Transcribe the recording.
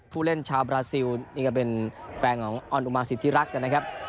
ผู้เล่นชาวบราซิลนี่ก็เป็นแฟนของออนอุมาสิทธิรักษ์นะครับ